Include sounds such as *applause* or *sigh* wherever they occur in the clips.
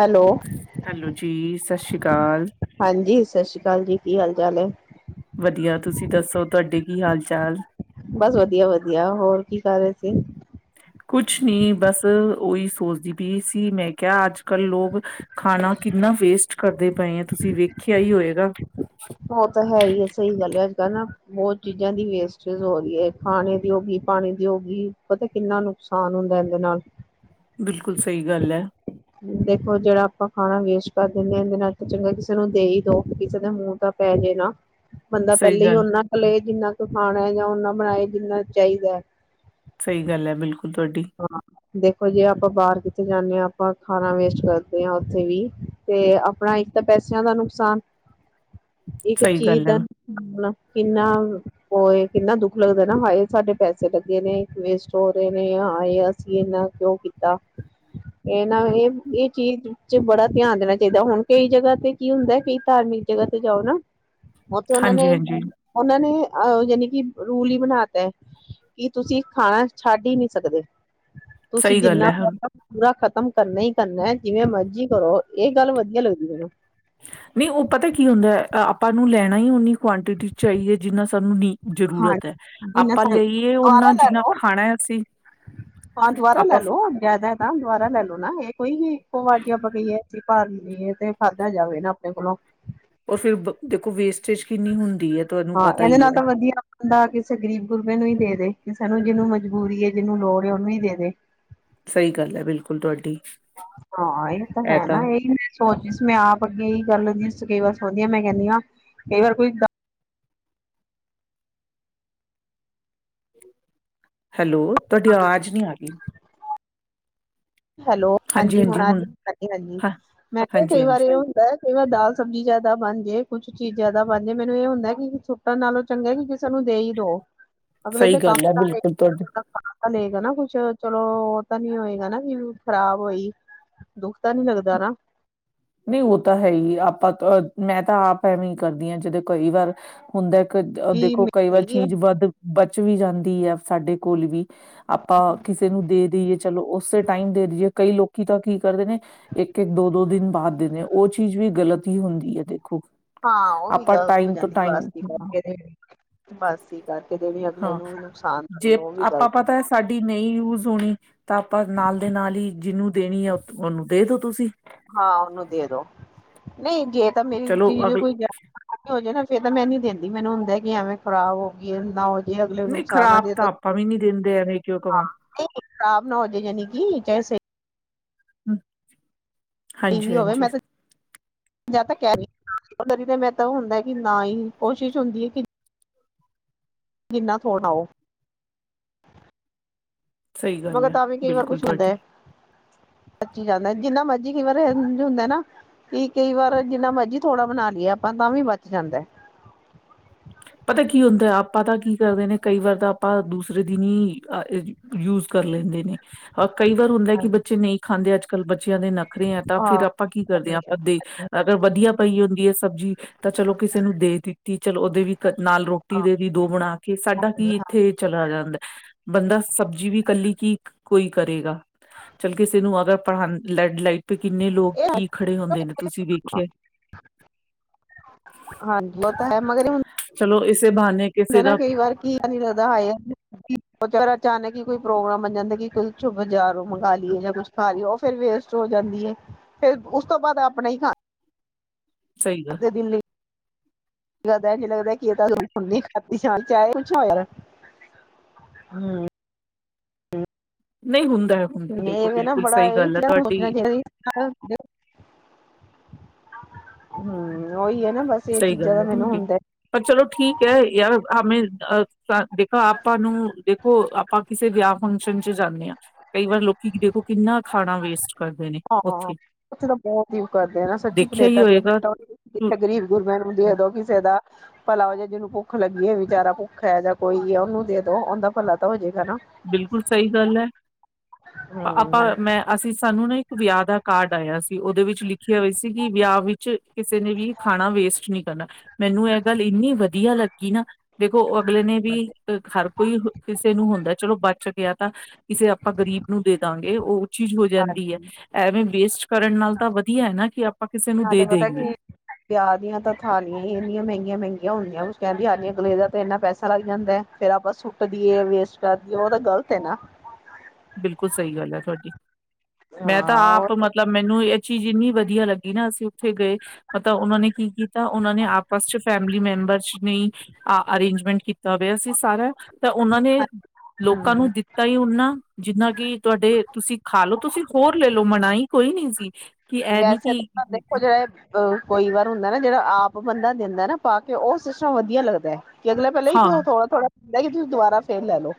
Hello hello ਜੀ ਸਤਿ ਸ਼੍ਰੀ ਅਕਾਲ ਹਾਂਜੀ ਸਤਿ ਸ਼੍ਰੀ ਅਕਾਲ ਜੀ। ਕੀ ਹਾਲ ਚਾਲ ਹੈ? ਵਧੀਆ ਤੁਸੀਂ ਦੱਸੋ ਤੁਹਾਡੇ ਕੀ ਹਾਲ ਚਾਲ? ਬਸ ਵਧੀਆ ਵਧੀਆ ਹੋਰ ਕੀ ਕਰ ਰਹੇ ਸੀ? ਕੁਛ ਨੀ ਬਸ ਓਹੀ ਸੋਚਦੀ ਪਈ ਸੀ ਮੈਂ ਕਿਹਾ ਅੱਜ ਕੱਲ੍ਹ ਲੋਕ ਖਾਣਾ ਕਿੰਨਾ ਵੇਸਟ ਕਰਦੇ ਪਏ ਆ ਤੁਸੀਂ ਵੇਖਿਆ ਹੀ ਹੋਏਗਾ। ਉਹ ਤਾਂ ਹੈ ਹੀ ਹੈ ਸਹੀ ਗੱਲ ਹੈ ਅੱਜ ਕੱਲ ਨਾ। ਬਹੁਤ ਚੀਜ਼ਾਂ ਦੀ ਵੇਸਟੇਜ ਹੋ ਰਹੀ ਏ ਖਾਣੇ ਦੀ ਹੋਗੀ ਪਾਣੀ ਦੀ ਹੋ ਗੀ ਪਤਾ ਕਿੰਨਾ ਨੁਕਸਾਨ ਹੁੰਦਾ ਇਹਦੇ ਨਾਲ। ਬਿਲਕੁਲ ਸਹੀ ਗੱਲ ਹੈ। ਦੇਖੋ ਜਿਹੜਾ ਆਪਾਂ ਖਾਣਾ ਵੇਸਟ ਕਰ ਦਿੰਦੇ ਹਾਂਦੇ ਨਾਲ ਚੰਗਾ ਕਿਸੇ ਨੂੰ ਦੇਹੀਂ ਦੋ ਕਿਸੇ ਦੇ ਮੂੰਹ ਦਾ। ਪੈ ਜੇ ਨਾ! ਬੰਦਾ ਸਹੀ ਪਹਿਲੇ ਹੀ ਗੱਲ ਉਹਨਾ ਕੋ ਲਲੇ ਜਿੰਨਾ! ਖਾਣਾ ਜਾਂ ਓਨਾ ਬਣਾਏ ਜਿੰਨਾ ਚਾਹੀਦਾ। ਸਹੀ ਗੱਲ ਹੈ ਬਿਲਕੁ ਤੁਹਾਡੀ ਹਾਂ ਦੇਖੋ ਜੇ ਆਪਾਂ ਬਾਹਰ ਕਿੱਥੇ ਜਾਂਦੇ ਹਾਂ ਆਪਾਂ ਖਾਣਾ ਵੇਸਟ ਕਰਦੇ ਹਾਂ ਉੱਥੇ ਵੀ ਤੇ ਆਪਣਾ ਇੱਕ ਤਾਂ ਪੈਸਿਆਂ ਦਾ ਨੁਕਸਾਨ। ਇੱਕ ਸਹੀ ਚੀਜ਼ ਗੱਲ ਹੈ ਦਾ। ਕਿੰਨਾ ਉਹਏ ਕਿੰਨਾ ਦੁੱਖ ਲੱਗਦਾ ਨਾ ਹਾਏ ਸਾਡੇ ਪੈਸੇ ਲੱਗੇ ਨੇ ਵੇਸਟ ਹੋ ਰਹੇ ਨੇ ਆ। ਹਾਏ ਅਸੀਂ ਇਹਨਾਂ ਕਿਉਂ ਕੀਤਾ ਇਹਨਾਂ ਇਹ ਇਹ ਚੀਜ਼ ਚ ਬੜਾ ਧਿਆਨ ਦੇਣਾ ਚਾਹੀਦਾ ਹੁਣ ਕਈ ਜਗ੍ਹਾ ਤੇ ਕੀ ਹੁੰਦਾ ਕਈ ਧਾਰਮਿਕ ਜਗ੍ਹਾ ਤੇ ਜਾਓ ਨਾ। ਉੱਥੇ ਉਹਨਾਂ ਹਾਂਜੀ ਨੇ ਹਾਂਜੀ ਉਹਨਾਂ ਨੇ, ਆਹ ਜਾਨੀ ਕਿ ਰੂਲ ਹੀ ਬਣਾ ਤਾ ਐ ਕਿ ਤੁਸੀਂ ਖਾਣਾ ਛੱਡ ਹੀ ਨਹੀਂ ਸਕਦੇ। ਤੁਸੀਂ ਸਹੀ ਗੱਲ ਜਿੰਨਾ ਹੈ ਹੋ ਪੂਰਾ ਖਤ ਖ਼ਤਮ ਕਰਨਾ ਹੀ ਕਰਨਾ ਜਿਵੇਂ ਮਰਜੀ। ਕਰੋ ਇਹ ਗੱਲ ਵਧੀਆ ਲੱਗਦੀ ਮੈਨੂੰ। ਨਹੀਂ ਉਹ ਪਤਾ ਕੀ ਹੁੰਦਾ ਹੈ, ਅ- ਆਪਾਂ ਨੂੰ ਲੈਣਾ ਹੀ ਓਨੀ ਕੁਆਂਟਿਟੀ ਚਾਹੀਏ ਹੈ ਜਿੰਨਾ ਸਾਨੂੰ ਨ ਹਾਂਜੀ ਜੀ ਦੁਬਾਰਾ ਓਨਾ ਲੈ ਜਿੰਨਾ ਲੋ ਖਾਣਾ ਹੈ ਅਸੀਂ ਹਾਂ ਦੁਬਾਰਾ ਲੈ ਆਪਾਂ ਲੋ ਜ਼ਿਆਦਾ ਤਾਂ ਦੁਬਾਰਾ ਲੈ ਲੋ ਨਾ ਇਹ ਕੋਈ ਇੱਕੋ ਵਾਰ ਜੇ ਆਪਾਂ ਕਹੀਏ। ਭਰ ਲਈਏ ਤੇ ਖਾਦੇ ਜਾਵੇ ਨਾ ਆਪਣੇ ਕੋਲੋਂ, ਉਹ ਫਿਰ ਦੇਖੋ ਵੇਸ ਹਾਂ ਇਹਦੇ ਨਾਲ ਤਾਂ ਵਧੀਆ ਬੰਦਾ ਕਿਸੇ ਗਰੀਬ ਗੁਰਬੇ ਨੂੰ ਹੀ ਦੇ। ਸਾਨੂੰ ਜਿਹਨੂੰ ਮਜਬੂਰੀ ਹੈ ਜਿਹਨੂੰ ਲੋੜ ਉਹਨੂੰ ਹੀ ਦੇ ਦੇ। ਸਹੀ ਗੱਲ ਹੈ ਬਿਲਕੁਲ ਤੁਹਾਡੀ। ਹਾਂ ਇਹ ਤਾਂ ਹੈ ਨਾ ਇਹੀ ਸੋਚ ਮੈਂ ਆਪ ਅੱਗੇ ਹੀ ਕਰ ਲੈਂਦੀ ਕਈ ਵਾਰ ਸੁਣਦੀ ਮੈਂ ਕਹਿੰਦੀ ਹਾਂ ਕਈ ਵਾਰ ਕੋਈ ਹੈਲੋ, ਤੁਹਾਡੀ ਆਵਾਜ਼ ਨਹੀਂ ਆ ਰਹੀ। ਹੈਲੋ, ਹਾਂਜੀ-ਹੁਣ ਹਾਂਜੀ, ਹਾਂਜੀ ਹਾਂ ਮੈਂ ਕਿਹਾ, ਹਾਂਜੀ ਕਈ ਵਾਰ ਹਾਂਜੀ ਇਹ ਹੁੰਦਾ, ਕਈ ਵਾਰ ਦਾਲ-ਸਬਜ਼ੀ ਜ਼ਿਆਦਾ ਬਣ ਜੇ ਕੁਛ। ਚੀਜ਼ ਜਿਆਦਾ ਬਣ ਜਾਏ, ਮੈਨੂੰ ਇਹ ਹੁੰਦਾ ਕਿ ਸੁੱਟਣ ਨਾਲੋਂ ਚੰਗਾ ਕਿ। ਕਿਸੇ ਨੂੰ ਦੇ ਹੀ ਦੋ ਅਗਲੇ ਸਹੀ ਦੇ ਕੰਮ ਗੱਲ ਹੈ ਤਾ ਆਏ, ਬਿਲਕੁਲ ਤੁਹਾਡੀ ਲਏਗਾ ਨਾ ਕੁਛ, ਚਲੋ ਉਹ ਤਾਂ ਨੀ ਹੋਏਗਾ ਨਾ। ਖ਼ਰਾਬ ਹੋਈ ਦੁੱਖ ਤਾਂ ਨੀ ਲੱਗਦਾ ਨਾ, ਨਹੀਂ ਉਹ ਤਾਂ ਹੈ ਹੀ, ਮੈਂ ਤਾਂ ਆਪ ਐਵੇਂ ਹੀ ਕਰਦੀ ਹਾਂ ਜਦੋਂ ਕਈ ਵਾਰ ਹੁੰਦਾ। ਕਿ ਦੇਖੋ, ਮੈਂ ਕਈ ਵਾਰ ਸਹੀ ਹੈ ਚੀਜ਼ ਵੱਧ। ਵੀ ਜਾਂਦੀ ਆ, ਸਾਡੇ ਕੋਲ ਵੀ। ਆਪਾਂ ਕਿਸੇ ਨੂੰ ਦੇ ਦੇਈਏ, ਚਲੋ ਉਸੇ ਟਾਈਮ ਦੇ ਦੇਈਏ ਕਈ ਲੋਕ। *unintelligible* ਇਕ-ਇਕ ਦਿਨ ਬਾਹਰ ਦੇ ਨੇ, ਉਹ ਚੀਜ਼ ਵੀ ਗ਼ਲਤ ਹੀ ਹੁੰਦੀ ਹੈ, ਦੇਖੋ। ਹਾਂ, ਉਹ ਵੀ ਆਪਾਂ ਗ਼ਲਤ ਹੈ ਟਾਈਮ ਜਾਂ ਤੋਂ ਤਾਂ ਟਾਈਮ ਬਸਾਂ ਕਰਕੇ, ਜਾਂ ਬਸਤਿਆਂ ਕਰਕੇ ਦੇਵੇ। ਅਗਲੇ ਉਹਨਾਂ ਹਾਂ ਨੂੰ ਵੀ ਨੁਕਸਾਨ ਕਰਦੇ, ਜੇ ਉਹ ਵੀ ਆਪਾਂ ਗ਼ਲਤ ਪਤਾ ਹੈ। ਸਾਡੀ ਨਹੀਂ ਯੂਜ ਹੋਣੀ ਤਾਂ ਆਪਾਂ ਨਾਲ ਦੇ ਨਾਲ ਹੀ, ਜਿਹਨੂੰ ਦੇਣੀ ਆ? ਉਹਨੂੰ ਦੇ ਦੋ, ਤੁਸੀਂ। ਹਾਂ ਉਹਨੂੰ ਦੇ, ਦੋ ਨਹੀਂ ਗੇ। ਤਾਂ, ਮੇਰੀ ਚਲੋ ਚੀਜ਼ ਅਗ ਖੋਈ ਆ ਹੋਜੂ, ਨਾ? *unintelligible* ਫਿਰ ਤਾਂ ਮੈਂ ਨੀ ਦਿੰਦੀ, ਮੈਨੂੰ ਹੁੰਦਾ ਕਿ ਐਵੇਂ ਖਰਾਬ ਹੋ ਗਈ ਹੋ ਜ ਅਗਲੇ ਨਹੀਂ ਨੁਕਸਾਨ ਨਾ ਖ਼ਰਾਬ ਦੇ, ਤਾਂ ਆਪਾਂ ਵੀ ਨੀ ਦਿੰਦੇ ਐਵੇਂ ਕਿਉਂ ਕਵਾਂ ਖਰਾਬ ਨਾ ਹੋ ਜੋ, ਜਾਨੇ ਕਿ *unintelligible* ਹੰ ਹਾਂਜੀ ਵੀ ਹੋਵੇ -ਹਾਂਜੀ। ਮੈਂ ਤਾਂ ਜਾਂ ਤਾਂ ਕਹਿ ਰਹੀ ਹਦੀ, ਤਾਂ ਮੇ, ਤਾਂ ਹੁੰਦਾ ਕਿ ਨਾ, ਹੀ, ਕੋਸ਼ਿਸ਼ ਹੁੰਦੀ ਹੈ ਕਿ ਕਿਨਾ ਥੋਣਾ ਉਹ ਸਹੀ ਗੱਲ ਐ। ਬਿਲਕੁਲ ਤੁਹਾਡੀ। ਬਚੀ ਜਾਂਦਾ ਜਿੰਨਾ ਮਰਜ਼ੀ ਕਈ ਵਾਰ ਏਂਜ ਹੁੰਦਾ ਨਾ ਕਿ, ਕਈ ਵਾਰ ਜਿੰਨਾ ਮਰਜ਼ੀ ਥੋੜਾ ਬਣਾ ਲਈਏ ਆਪਾਂ, ਤਾਂ ਵੀ ਬਚ ਜਾਂਦਾ। ਪਤਾ ਕੀ ਹੁੰਦਾ? ਆਪਾਂ ਤਾਂ ਕੀ ਕਰਦੇ ਨੇ, ਕਈ ਵਾਰ ਤਾਂ ਆਪਾਂ ਦੂਸਰੇ ਦਿਨ ਹੀ ਯੂਜ਼ ਕਰ ਲੇਂਦੇ ਨੇ। ਅ, ਕਈ ਵਾਰ ਹੁੰਦਾ ਕਿ ਹਾਂਜੀ ਬੱਚੇ ਨਹੀਂ ਖਾਂਦੇ ਅੱਜ-ਕੱਲ੍ਹ। ਕੱਲ ਬੱਚ ਬੱਚਿਆ ਦੇ ਨਖਰੇ ਆ ਤਾਂ, ਫਿਰ ਆਪਾਂ ਕੀ ਕਰਦੇ ਆ ਆਪਦੇ ਅਗਰ ਵਧੀਆ ਪਈ ਹੁੰਦੀ ਹੈ ਸਬਜ਼ੀ, ਤਾਂ ਚਲੋ ਕਿਸੇ ਨੂੰ ਦੇ ਦਿੱਤੀ ਚਲੋ ਵੀ ਨਾਲ ਰੋਟੀ ਦੇਦੀ ਦੋ ਬਣਾਕੇ, ਸਾਡਾ ਕੀ ਇੱਥੇ ਚਲਾ ਜਾਂਦੈ, ਬੰਦਾ ਸਬਜ਼ੀ ਵੀ ਕੱਲੀ ਕੀ ਕੋਈ ਕਰੇਗਾ‌। ਚੱਲ ਕਿਸੇ ਨੂੰ ਅਗਰ ਆਪ ਹਨ ਲੈਡ ਲਾਈਟ *inaudible* ਕਿੰਨੇ ਲੋਕ ਕੀ ਖੜੇ ਹੁੰਦੇ ਨੇ, ਤੁਸੀਂ ਵੇਖਿਆ ਹਾਂਜੀ ਉਹ ਤਾਂ, ਹੈ ਮਗਰ ਹੁਣ ਚੱਲੋ, ਇਸ ਨਾ ਕਈ ਵਾਰ ਕੀ ਲਾਦਾ ਆਇਆ ਅਚਾਨਕ ਹੀ ਕੋਈ ਪ੍ਰੋਗਰਾਮ ਬਣ ਜਾਂਦਾ ਕਿ, ਕੁ'ਚੁੱਪ ਬਜਾਰੋ ਮੰਗਾ ਲਈਏ ਜਾਂ, ਕੁਛ ਖਾ ਲਈਏ ਉਹ ਫਿਰ ਵੇਸਟ ਹੋ ਜਾਂਦੀ ਹੈ, ਇਸ ਫਿਰ ਉਸ ਤੋਂ ਬਾਅਦ ਆਪਣਾ ਹੀ ਖਾਣਾ ਹੁੰਦਾ! ਸਹੀ ਗੱਲ ਅੱਧੇ ਦਿਨ ਲਈ ਨੀ ਲੱਗਦਾ ਕੀ ਇਸਦਾ ਜਦੋਂ ਹੂੰਦੀ, ਆ ਕੁਛ ਨਾ ਹੋਏ ਯਾਰ ਨਹੀਂ ਹੁੰਦੈ। ਇਹ ਵੇ ਨਾ, ਬੜਾ ਇਹ ਵੀ ਸੋਚਣਾ ਚਾਹੀਦਾ ਹੂੰ, ਉਹੀ ਐ। ਸਹੀ ਗੱਲ ਹੈ ਤੁਹਾਡੀ ਪਰ ਚਲੋ, ਠੀਕ ਹੈ ਯਾਰ ਹਾ ਆ ਦੇਖੋ ਆਪਾ ਨੂੰ, ਦੇਖੋ ਆਪਾ ਕਿਸੇ ਵਿਆਹ- ਫੰਕਸ਼ਨ'ਚ ਜਾਂਨੇ ਆ, ਕਈ ਵਾਰ ਲੋਕੀ ਦੇਖੋ ਕਿੰਨਾ ਖਾਣਾ ਵੇਸਟ ਕਰਦੇ ਨੇ ਹਾਂ। ਹਾ। ਉੱਥੇ ਉੱਥੇ ਤਾਂ ਬਹੁਤ ਹੀ ਕਰਦੇ ਨਾ ਸੱਚੀ ਦੇਖਿਆ ਹੀ ਪਲੇਟਾਂ ਦੀਆ, ਹੋਏਗਾ ਪਲੇਟਾਂ ਗਰੀਬ ਮੈਨੂੰ ਦੇਦੋ ਕਿਸੇ ਦਾ ਭਲਾ ਹੋ ਜਾਏ ਜਿਹਨੂੰ ਭੁੱਖ ਲੱਗੀ ਹੈ ਵਿਚਾਰਾ ਭੁੱਖ ਹੈ ਜਾਂ ਕੋਈ ਹੈ ਉਹਨੂੰ ਦੇ ਦੋ ਉਹਦਾ ਭਲਾ ਤਾਂ ਹੋ ਜਾਏ ਬਿਲਕੁਲ ਸਹੀ ਗੱਲ ਹੈ। ਆਪਾ ਹਮ - ਮੈਂ -ਅਸੀ -ਸਾਨੂੰ ਨਾ ਇੱਕ ਵਿਆਹ ਦਾ ਕਾਰਡ ਆਇਆ ਸੀ। ਉਹਦੇ ਵਿੱਚ ਲਿਖੀਆਂ ਹੋਈਆਂ ਸੀ ਕਿ ਵਿਆਹ ਵਿੱਚ ਕਿਸੇ ਨੇ ਵੀ ਖਾਣਾ ਵੇਸਟ ਨਹੀਂ ਕਰਨਾ ਮੈਨੂੰ ਇਹ ਗੱਲ ਇੰਨੀ ਵਧੀਆ ਲੱਗੀ ਨਾ। ਦੇਖੋ ਉਹ ਅਗਲੇ ਨੇ ਵੀ ਹਰ ਕੋਈ ਕਿਸੇ ਨੂੰ ਹੁੰਦਾ ਚਲੋ ਬਚ ਗਿਆ ਤਾਂ ਕਿਸੇ ਆਪਾਂ ਗ਼ਰੀਬ ਨੂੰ ਦੇਦਾਗੇ ਚੀਜ਼ ਹੋ ਜਾਂਦੀ ਹੈ ਹਾਂਜੀ ਐਵੇਂ ਵੇਸਟ ਕਰਨ ਨਾਲ ਤਾਂ ਵਧੀਆ ਹੈ ਨਾ ਕਿ ਆਪਾਂ ਕਿਸੇ ਨੂੰ ਦੇ ਨਾਲੇ ਪਤਾ ਦੇਈਏ ਕੀ ਵਿਆਹ ਦੀਆਂ ਤਾਂ ਥਾਲੀਆਂ ਹੀ ਇੰਨੀਆਂ ਮਹਿੰਗੀਆਂ ਮਹਿੰਗੀਆਂ ਹੁੰਦੀਆਂ ਕੁਛ ਕਹਿੰਣ ਦੀ ਹੱਦ ਨੀ। ਅਗਲੇ ਦਾ ਤੇ ਇੰਨਾ ਪੈਸਾ ਲੱਗ ਜਾਂਦਾ, ਫੇਰ ਆਪਾਂ ਸੁੱਟਦੀਏ ਵੇਸਟ ਕਰਦੀਏ ਉਹ ਤਾਂ ਗ਼ਲਤ ਹੈ ਨਾ। ਬਿਲਕੁਲ ਸਹੀ ਗੱਲ ਹੈ ਤੁਹਾਡੀ। ਮੈਂ ਤਾਂ ਹਾਂ ਆਪ ਉਹ ਮਤਲਬ ਮੈਨੂੰ ਇੱਕ ਚੀਜ਼ ਇੰਨੀ ਵਧੀਆ ਲੱਗੀ ਨਾ ਅਸੀਂ ਉੱਥੇ ਗਏ ਮਤਲਬ ਉਹਨਾਂ ਨੇ ਕੀ ਕੀਤਾ ਉਹਨਾਂ ਨੇ ਆਪਸ ਚ, ਫੈਮਿਲੀ ਮੈਂਬਰ ਨੇ ਅਰੇਂਜਮੈਂਟ ਕੀਤੀ ਤਾਂ ਵੀ ਸੀ ਸਾਰਾ ਤੇ ਉਹਨਾਂ ਨੇ ਲੋਕਾਂ ਹਮ ਨੂੰ ਦਿੱਤਾ ਹੀ ਉਹਨਾਂ ਜਕਿ ਤੁਸੀਂ ਖਾ ਲੋ ਤੁਸੀਂ ਹੋਰ ਲੈ ਲਓ ਮਨਾਹੀ ਕੋਈ ਨੀ ਸੀ! ਕਿ ਇਹ ਨੀ ਵੈਸੇ ਕਿ ਤਾਂ ਦੇਖੋ ਜਿਹੜੇ ਆ ਕੋਈ ਵਾਰ ਹੁੰਦਾ ਨਾ ਜਿਹੜਾ ਆਪ ਬੰਦਾ ਦਿੰਦਾ ਨਾ ਪਾ ਕੇ ਉਹ ਸਿਸਟਮ ਵਧੀਆ ਲੱਗਦਾ ਅਗਲੇ ਪਹਿਲੇ ਹੀ ਹਾਂ ਥੋੜਾ- ਥੋੜਾ ਬਈ ਤੁਸੀਂ ਦੁਬਾਰਾ ਫੇਰ ਲੈ ਲਓ।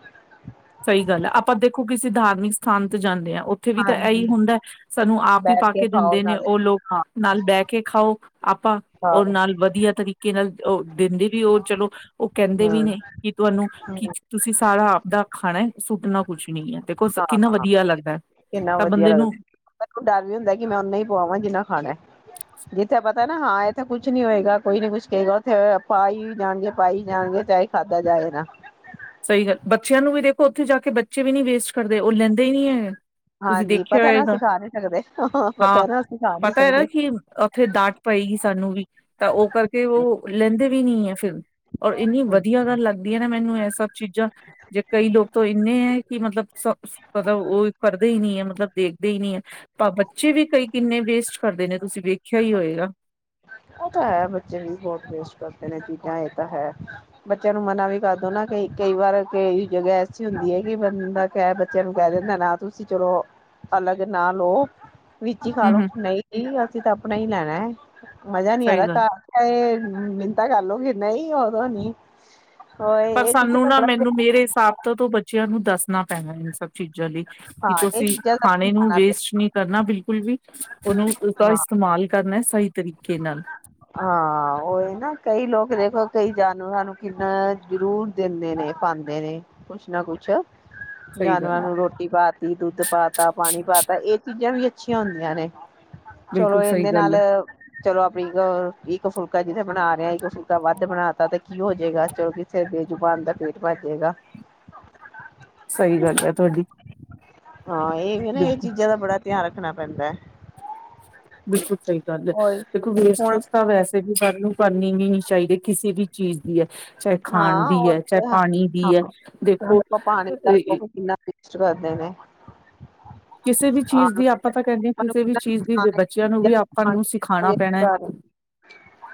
ਸਹੀ ਗੱਲ ਹੈ। ਆਪਾਂ ਦੇਖੋ ਕਿਸੇ ਧਾਰਮਿਕ ਸਥਾਨ ਤੇ ਜਾਂਦੇ ਹਾਂ। ਉੱਥੇ ਵੀ ਤਾਂ ਇਹੀ ਹਾਂਜੀ ਹੁੰਦਾ ਸਾਨੂੰ ਆਪ ਹੀ ਬੈਠ ਪਾ ਕੇ ਖਾਓ ਦਿੰਦੇ ਨੇ ਨਾਲੇ ਉਹ ਲੋਕ ਹਾਂ ਨਾਲ ਬਹਿ ਕੇ ਖਾਓ। ਆਪਾਂ ਹਾਂ ਉਹਨਾਂ ਨਾਲ ਵਧੀਆ ਤਰੀਕੇ ਨਾਲ ਉਹ, ਦਿੰਦੇ ਵੀ ਉਹ ਚਲੋ, ਉਹ ਕਹਿੰਦੇ ਵੀ ਹਮ ਨੇ ਕਿ ਤੁਹਾਨੂੰ ਕੀ, ਤੁਸੀਂ ਸਾਰਾ ਆਪਦਾ ਖਾਣਾ ਹੈ ਸੁੱਟਣਾ ਕੁਛ ਨੀ ਹੈ ਦੇਖੋ ਸ- ਕਿੰਨਾ ਹਾਂ! ਵਧੀਆ ਲੱਗਦਾ ਹੈ। ਕਿੰਨਾ ਤਾਂ ਵਧੀਆ ਬੰਦੇ ਨੂੰ ਲੱਗਦਾ। ਮੈਨੂੰ ਡਰ ਵੀ ਹੁੰਦਾ ਕਿ ਮੈਂ ਓਨਾ ਹੀ ਪਆਵਾਂ ਜਿੰਨਾ ਖਾਣਾ। ਜਿੱਥੇ ਪਤਾ ਨਾ ਹਾਂ ਇੱਥੇ ਕੁਛ ਨੀ ਹੋਏਗਾ, ਕੋਈ ਨੀ ਕੁਛ ਕਹੇਗਾ, ਉੱਥੇ ਪਾ ਹੀ ਜਾਣਗੇ ਪਾਈ ਜਾਣਗੇ ਚਾਹੇ ਖਾਧਾ ਜਾਏ ਨਾ। ਸਹੀ ਗੱਲ। ਬੱਚਿਆਂ ਨੂੰ ਵੀ ਦੇਖੋ, ਉੱਥੇ ਜਾ ਕੇ ਬੱਚੇ ਵੀ ਨੀ ਵੇਖ ਕੁ ਕਰਦੇ। ਉਹ ਲੈਂਦੇ ਹੀ ਨਹੀ ਹੈਗੇ। ਤੁਸੀਂ ਹਾਂਜੀ ਦੇਖਿਆ ਪਤਾ ਨਾ ਹੋਏਗਾ। ਅਸੀਂ ਖਾ ਨੀ ਸਕਦੇ ਹਾਂ! ਪਤਾ ਨਾ ਅਸੀਂ ਖਾ ਨੀ ਪਤਾ ਹੈ ਨਾ ਸਕਦੇ ਕਿ ਉੱਥੇ ਡਾਂਟ ਪਏਗੀ ਸਾਨੂੰ ਵੀ ਤਾਂ ਉਹ ਕਰਕੇ ਉਹ ਲੈਂਦੇ ਵੀ ਨੀ ਹੈ। ਫਿਰ, ਔਰ ਇੰਨੀ ਵਧੀਆ ਗੱਲ ਲੱਗਦੀ ਹੈ ਨਾ ਮੈਨੂੰ ਇਹ। ਸਭ ਚੀਜ਼ਾਂ ਜੇ ਕਈ ਲੋਕ ਤਾਂ ਇੰਨੇ ਹੈ, ਕਿ ਮਤਲਬ, ਸ ਮਤਲਬ ਉਹ ਕਰਦੇ ਹੀ ਨਹੀ ਹੈ, ਮਤਲਬ ਦੇਖਦੇ ਹੀ ਨਹੀ ਹੈ, ਤੇ ਬੱਚੇ ਵੀ ਕਈ ਕਿੰਨੇ ਵੇਸਟ ਕਰਦੇ ਨੇ ਤੁਸੀਂ ਵੇਖਿਆ ਹੀ ਹੋਏਗਾ। ਉਹ ਤਾਂ ਹੈ ਬੱਚੇ ਵੀ ਬਹੁਤ ਵੇਸਟ ਕਰਦੇ ਨੇ ਚੀਜ਼ਾਂ, ਇਹ ਤਾਂ ਹੈ। ਬੱਚਿਆਂ ਨੂੰ ਮਨਾ ਵੀ ਕਰਦੋ ਨਾ ਕ, ਕਈ ਵਾਰ ਕ ਜਗ੍ਹਾ ਐਸੀ ਹੁੰਦੀ ਹੈ ਕਿ ਬੰਦਾ ਕਹਿ, ਬੱਚਿਆਂ ਨੂੰ ਕਹਿ ਦਿੰਦਾ ਨਾ ਤੁਸੀਂ ਚਲੋ ਅਲੱਗ ਨਾ ਲੋ। ਵਿੱਚ ਹੀ ਖਾ ਹੂੰ ਲੋ, ਹੂੰ, ਨਹੀਂ ਅਸੀਂ ਤਾਂ ਆਪਣਾ ਹੀ ਲੈਣਾ ਹੈ। ਮਜਾ ਨਹੀਂ ਆਂਦਾ, ਸਹੀ ਗੱਲ ਘਰ ਤੇ ਮਿੰਨਤਾ ਕਰ ਲੋਗੇ। ਨਹੀਂ। ਓਦੋ ਨੀ। ਉਹ ਪਰ ਇਹ ਚੀਜ਼ਾਂ ਸਾਨੂੰ ਦਾ ਨਾ, ਬੜਾ ਮੈਨੂੰ, ਮੇਰੇ ਹਿਸਾਬ ਤਾਂ ਤੂੰ ਬੱਚਿਆਂ ਨੂੰ ਦੱਸਣਾ ਪੈਣਾ ਇਹਨ ਸ। ਚੀਜ਼ਾਂ ਲਈ, ਕਿ ਹਾਂ ਇਹ ਤੁਸੀਂ ਚੀਜ਼ਾਂ ਦਾ ਖਾਣੇ ਨੂੰ ਸਮਝਾਉਣਾ ਪਏ ਵੇਸਟ ਨਹੀਂੀ ਕਰਨਾ ਬਿਲਕੁਲ ਵੀ, ਉਹਨੂੰ ਉਸਦਾ ਹਾਂ ਇਸਤੇਮਾਲ ਕਰਨਾ ਸਹੀ ਤਰੀਕੇ ਨਾਲ। ਹਾਂ ਉਹ ਨਾ ਕਈ ਲੋਕ ਦੇਖੋ ਕਈ ਜਾਨਵਰਾਂ ਨੂੰ, ਕਿੰਨਾ ਜ਼ਰੂਰ ਦਿੰਦੇ ਨੇ, ਪਾਉਂਦੇ ਨੇ ਕੁਛ ਨਾ ਕੁਛ। ਸਹੀ ਗੱਲ ਹੈ ਜਾਨਵਰਾਂ ਨੂੰ ਰੋਟੀ, ਦੁੱਧ ਪਾਤਾ ਪਾਣੀ ਪਾਤਾ, ਇਹ ਚੀਜ਼ਾਂ ਵੀ ਅੱਛੀਆਂ ਹੁੰਦੀਆਂ ਨੇ। ਚਲੋ ਬਿਲਕੁਲ ਸਹੀ ਇਹਦੇ ਗੱਲ ਨਾਲ, ਹੈ, ਚਲੋ ਆਪਣੀ ਫੁਲਕਾ ਜਿੱਥੇ ਬਣਾ ਰਿਹਾ, ਕੋਈ ਫੁਲਕਾ ਵੱਧ ਬਣਾ ਤਾ, ਤੇ ਕੀ ਹੋ ਜਾਏਗਾ, ਚਲੋ ਕਿਸਥੇ ਬੇਜੂਬਾਨ ਦਾ ਪੇਟ ਭੱਜਜੇਗਾ। ਸਹੀ ਗੱਲ ਹੈ। ਤੁਹਾਡੀ ਹਾਂ, ਇਹ ਨਾ ਇਹ ਬਿਲਕੁਲ ਚੀਜ਼ਾਂ ਦਾ ਬੜਾ ਧਿਆਨ ਰੱਖ ਰਖਣਾ ਪੈਂਦਾ। ਬਿਲਕੁਲ ਸਹੀ ਗੱਲ ਹੈ। ਓਹੀ ਦੇਖੋ, ਹੁਣ ਵੇਸਟਜ ਤਾਂ ਵੈਸੇ ਵੀ ਸ ਨੂੰ ਕਰਨਨੀ ਨਹੀਂ ਚਾਹੀਦੇ, ਕਿਸੇ ਵੀ ਚੀਜ਼ ਦੀ ਹੈ। ਚਾਹੇ ਖਾਣ ਹਾਂ ਦੀ ਉਹ ਹੈ, ਚਾਹੇ ਤੇ ਪਾਣੀ ਹਾਂ। ਦੀ ਹੈ, ਹੁਣ ਦੇਖੋ ਆਪਾਂ ਪਾਣੀ ਦਾ ਲੋਕ ਕਿੰਨਾ ਵੇਸਟ ਕਰਦੇ ਨੇ। ਕਿਸੇ ਵੀ ਹਾਂ ਚੀਜ਼ ਦੀ, ਆਪਾਂ ਤਾਂ ਕਹਿੰਦੇ ਹਾਂ ਲੋਕਾਂ ਨੂੰ ਕਿਸੇ ਵੀ ਕਿੰਨਾ ਚੀਜ਼ ਦੀ, ਨੁਕਸਾਨ ਹੈ। ਬੱਚਿਆਂ ਨੂੰ ਵੀ ਆਪਾਂ ਨੂੰ ਪਾਣੀ ਸਿਖਾਉਣਾ ਵੇਸਟ ਪੈਣਾ ਕਰ ਹੈ।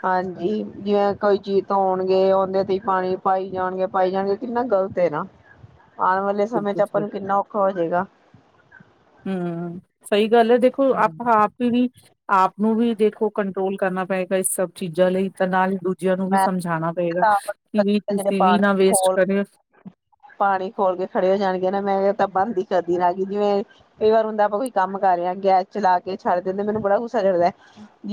ਹਾਂਜੀ ਜਿਵੇਂ ਕੋਈ ਚੀਜ਼ ਧੋਣਗੇ, ਉਹਦੇ ਤੇ ਪਾਣੀ ਪਾਈ ਜਾਣਗੇ, ਪਾਈ ਜਾਣਗੇ, ਕਿੰਨਾ ਗ਼ਲਤ ਨਾ। ਆਉਣ ਵਾਲੇ ਸਮੇਂ ਚ, ਬਿਲਕੁਲ ਆਪਾਂ ਸਹੀ ਨੂੰ ਕਿੰਨਾ ਔਖਾ ਹੋਜਏਗਾ। ਹਮ, ਸਹੀ ਗੱਲ ਹੈ ਦੇਖੋ, ਆਪਾਂ ਆਪਣੀ ਆਪ ਨੂੰ ਵੀ, ਦੇਖੋ ਕੰਟਰੋਲ ਕਰਨਾ ਪਏਗਾ ਇਸ ਸਭ ਚੀਜ਼ਾਂ ਲਈ ਤਾਂ ਨਾਲ ਦੂਜਿਆਂ ਨੂੰ ਵੀ ਮੈਂ ਸਮਝਾਉਣਾ ਪਏਗਾ ਕਿ ਵੀ ਜਿੜੇ ਤੁਸੀਂ ਵੀ ਪਾਣੀ ਨਾ ਵੇਸਟ ਖੋਲ ਕਰਿਓ ਪਾਣੀ ਖੋਲ ਕੇ ਖੜੇ ਹੋ ਜਾਣਗੇ ਮੈਂ ਕਿਹਾ ਤਾਂ ਬੰਦ ਹੀ ਕਰ। ਗਈ ਜਿਵੇਂ ਕਈ ਵਾਰ ਹੁੰਦਾ ਆਪਾਂ ਕੋਈ ਕੰਮ ਕਰ ਰਹੇ ਹਾਂ ਗੈਸ ਚਲਾ ਕੇ ਛੱਡ ਦਿੰਦੇ ਮੈਨੂੰ ਬੜਾ ਗੁੱਸਾ ਲੱਗਦਾ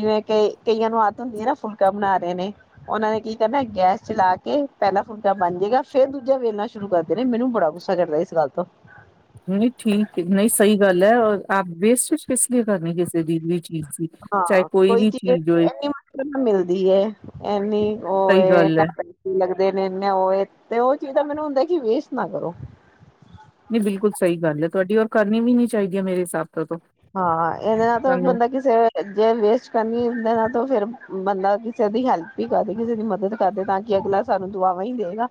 ਜਿਵੇਂ ਕਈ ਕਈਆਂ ਨੂੰ ਆਦਤ ਹੁੰਦੀ ਹੈ ਨਾ ਫੁਲਕਾ ਬਣਾ ਰਹੇ ਨੇ। ਉਹਨਾਂ ਨੇ ਕੀ ਕਰਨਾ ਗੈਸ ਚਲਾ ਕੇ ਪਹਿਲਾਂ ਫੁਲਕਾ ਬਣ ਜੇਗਾ ਫੇਰ ਦੂਜਾ ਵੇਲਣਾ ਸ਼ੁਰੂ ਕਰਦੇ ਨੇ ਮੈਨੂੰ ਬੜਾ ਗੁੱਸਾ ਕਰਦਾ ਇਸ ਗੱਲ ਤੋਂ। ਨਹੀਂ ਠੀਕ ਨਹੀਂ ਸਹੀ ਗੱਲ ਹੈ ਔਰ ਆਪ ਵੇਸਟ ਕਿਸ ਲਈ ਕਰਨੀ ਕਿਸੇ ਦੀ ਵੀ ਚੀਜ਼ ਦੀ ਚਾਹੇ ਹਾਂ ਕੋਈ ਵੀ ਚੀਜ਼ ਹੋਏ ਇਨੀ ਮੁਸ਼ਕਲ ਨਾਲ ਮਿਲਦੀ ਹੈ ਇਨੀ ਉਹ ਸਹੀ ਇਹ ਗੱਲ ਹੈ ਲ ਦੇ ਨੇਨੇ ਉਹ ਤੇ ਉਹ ਚੀਜ਼ ਤਾਂ ਮੈਨੂੰ ਹੁੰਦਾ ਕਿ ਵੇਸਟ ਨਾ ਕਰੋ। ਨਹੀਂ ਬਿਲਕੁਲ ਸਹੀ ਗੱਲ ਹੈ ਤੁਹਾਡੀ ਰ ਕਰਨੀ ਵੀ ਨੀ ਚਾਹੀਦੀ ਹੈ ਮੇਰੇ ਹਿਸਾਬ ਤੋਂ ਤਾਂ ਹਾਂ ਇਹਦੇ ਨਾਲ ਤਾਂ ਸਾਨੂੰ ਬੰਦਾ ਕਿਸੇ ਜੇ ਵੇਸਟ ਕਰਨੀਦੇ ਨਾਲ ਤਾਂ ਫਿਰ ਬੰਦਾ ਕਿਸੇ ਦੀ ਹੈਲਪ ਹੀ ਕਰਦਾ ਕਿਸੇ ਦੀ ਮਦਦ ਕਰਦੇ ਤਾਂ ਕਿ ਅਗਲਾ ਸਾਨੂੰ ਦੁਆਵਾਂ ਹੀ ਦੇਵੇਗਾ।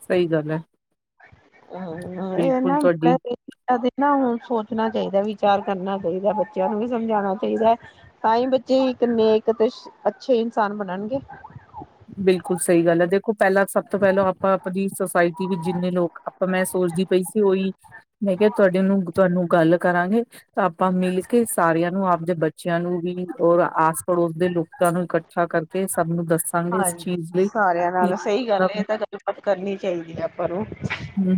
ਸਹੀ ਗੱਲ ਹੈ ਬਿਲਕੁਲ ਨਾ ਤੁਹਾਡੀ ਮੁ ਹੁਣ ਸੋਚਣਾ *unintelligible* ਚਾਹੀਦਾ ਵਿਚਾਰ ਕਰਨਾ ਚਾਹੀਦਾ ਬੱਚਿਆਂ ਨੂੰ ਵੀ ਸਮਝਾਉਣਾ ਚਾਹੀਦਾ ਹੈ ਤਾਂ ਹੀ ਬੱਚੇ ਇੱਕ ਨੇਕ ਤੇ ਅੱਛੇ ਇਨਸਾਨ ਬਣਨਗੇ। ਬਿਲਕੁਲ ਸਹੀ ਗੱਲ ਹੈ ਦੇਖ ਦੇਖੋ ਪਹਿਲਾਂ ਸਭ ਤੋਂ ਪਹਿਲਾਂ ਆਪਾਂ ਆਪਣੀ ਸੁਸਾਇਟੀ ਵਿੱਚ ਜਿੰਨੇ ਲੋਕ ਆਪਾਂ ਮੈਂ ਸੋਚਦੀ ਪਈ ਸੀ ਉਹੀ। ਮੈਂ ਕਿਹਾ ਤੁਹਾਡੇ ਨੂੰ ਤੁਹਾਨੂੰ ਗੱਲ ਕਰਾਂਗੇ ਤਾਂ ਆਪਾਂ ਮਿਲ ਕੇ ਸਾਰਿਆਂ ਨੂੰ ਆਪਦੇ ਬੱਚਿਆਂ ਨੂੰ ਵੀ ਔਰ ਆਸ ਪੜੋਸ ਦੇ ਲੋਕਾਂ ਨੂੰ ਇਕੱਠਾ ਕਰਕੇ ਸਭ ਨੂੰ ਦੱਸਾਂਗੇ ਇਸ ਹਾਂਜੀ ਚੀਜ਼ ਲਈ ਸਾਰਿਆਂ ਕਿ ਨਾਲ ਸਹੀ ਗੱਲ ਮਤਲਬ ਹੈ ਇਹ ਤਾਂ ਗੱਲਬਾਤ ਕਰਨੀ ਚਾਹੀਦੀ ਹੈ ਆਪਾਂ ਨੂੰ ਹੂੰ,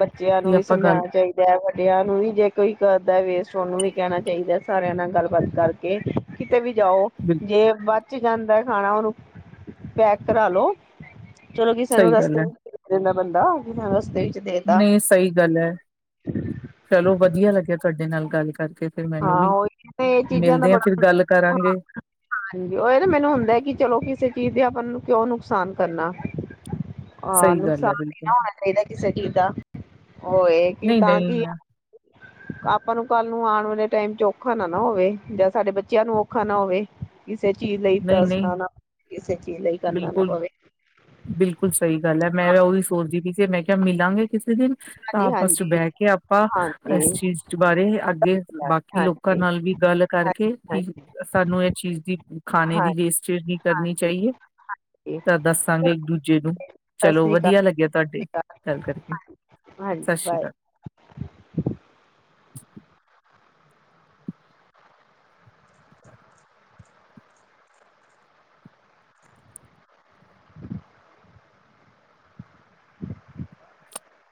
ਬੱਚਿਆਂ ਕੀ ਨੂੰ ਵੀ ਆਪਾਂ ਗੱਲ ਸਮਝਾਣਾ ਚਾਹੀਦਾ ਵੱਡਿਆਂ ਨੂੰ ਵੀ ਜੇ ਕੋਈ ਕਰਦਾ ਵੇਸਟ ਤੁਹਾਨੂੰ ਵੀ ਕਹਿਣਾ ਚਾਹੀਦਾ ਸਾਰਿਆਂ ਨਾਲ ਗੱਲਬਾਤ ਕਰਕੇ। ਕਿਤੇ ਵੀ ਜਾਓ ਬਿਲ ਜੇ ਬਸ ਜਾਂਦਾ ਹੈ ਖਾਣਾ ਉਹਨੂੰ ਪੈਕ ਕਰਾ ਲੋ। ਚਲੋ ਕੀ ਸਾਨੂੰ ਸਹੀ ਰਸਤੇ ਗੱਲ ਐ, ਬੰਦਾ ਬਿਨਾਂ ਰਸਤੇ ਵਿੱਚ ਦੇਤਾ ਨਹੀਂ ਸਹੀ ਗੱਲ ਹੈ ਚਲੋ ਵਧੀਆ ਲੱਗਿਆ ਤੁਹਾਡੇ ਨਾਲ ਗੱਲ ਕਰਕੇ। ਫਿਰ ਮੈਨੂੰ ਹਾਂ ਵੀ, ਉਹੀ ਇਹ ਚੀਜ਼ਾਂ ਦਾ ਮਿਲਦੇ ਆ ਫਿਰ ਬੜਾ ਗੱਲ ਹਾਂ ਕਰਾਂਗੇ। ਹਾਂਜੀ ਓਹੀ ਨਾ ਮੈਨੂੰ ਹੁੰਦਾ ਕਿ ਚਲੋ ਕਿਸੇ ਚੀਜ਼ ਦੇ ਆਪਾਂ ਨੂੰ ਕਿਓ ਨੁਕਸਾਨ ਕਰਨਾ? ਹਾਂ, ਸਹੀ ਗੱਲ ਐ ਨੁਕਸਾਨ ਹੀ ਬਿਲਕੁਲ, ਨਾ ਹੋਣਾ ਚਾਹੀਦਾ ਕਿਸੇ ਚੀਜ਼ ਦਾ ਹੋਏ ਕਿ ਤਾਂ ਨਹੀਂ-ਨਹੀਂ, ਕਿ ਆਪਾਂ ਨੂੰ ਕੱਲ ਨੂੰ ਆਣ ਵਾਲੇ ਟਾਈਮ ਚ ਔਖਾ ਨਾ ਨਾ ਹੋਵੇ ਜਾਂ ਸਾਡੇ ਬੱਚਿਆਂ ਨੂੰ ਔਖਾ ਨਾ ਹੋਵੇ। ਕਿਸੇ ਚੀਜ਼ ਲਈ ਤਾਂ ਨਹੀਂ-ਨਹੀਂ ਸੁਣਾਨਾ ਕਿਸੇ ਚੀਜ਼ ਲਈ ਕਰਨਾ ਨਾ ਬਿਲਕੁਲ। ਪਵੇ ਬਿਲਕੁਲ ਸਹੀ ਗੱਲ ਐ, ਮੈਂ ਉਹੀ ਸੋਚ ਜੇ ਮੈਂ ਕਿਹਾ ਮਿਲਾਂਗੇ ਕਿਸੇ ਦਿਨ? ਤਾਂ ਹਾਂਜੀ ਆਪਸ ਚ ਹਾਂਜੀ ਬਹਿ ਕੇ ਆਪਾਂ ਇਸ ਹਾਂਜੀ ਚੀਜ਼ ਬਾਰੇ ਅੱਗੇ ਬਾਕੀ ਲੋਕਾਂ ਹਾਂਜੀ ਨਾਲ ਵੀ ਗੱਲ ਹਾਂਜੀ ਕਰਕੇ ਸਾਨੂੰ ਇਸ ਚੀਜ਼ ਦੀ ਖਾਣੇ ਦੀ ਹਾਂਜੀ ਵੇਸਟੇਜ਼ ਨਹੀਂਂ ਕਰਨੀ ਹਾਂਜੀ ਹਾਂਜੀ ਚਾਹੀਏ ਤਾਂ ਦੱਸਾਂਗੇ ਚਲੋ ਇੱਕ ਦੂਜੇ ਨੂੰ ਸਤਿ ਚਲੋ ਸ੍ਰੀ ਅਕਾਲ ਵਧੀਆ ਲੱਗਿਆ। ਤੁਹਾਡੀ ਸਤਿ ਸ਼੍ਰੀ ਗੱਲ ਕਰਕੇ। ਸਤਿ ਹਾਂਜੀ, ਸ਼੍ਰੀ ਬਾਏ। ਅਕਾਲ *inaudible* *inaudible*